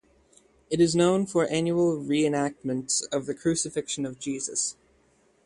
It is known for annual re-enactments of the crucifixion of Jesus.